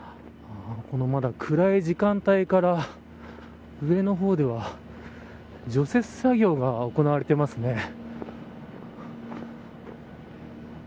この、まだ暗い時間帯から上の方では除雪作業が行われていますね。